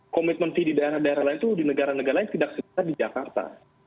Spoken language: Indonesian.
komitmen di daerah daerah lain itu di negara negara lain tidak sebesar di jakarta